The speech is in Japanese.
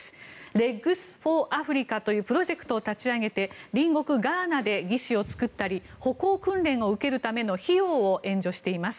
レッグス・フォー・アフリカというプロジェクトを立ち上げて隣国ガーナで義肢を作ったり歩行訓練を受けるための費用を援助しています。